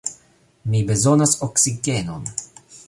Mi bezonas oksigenon.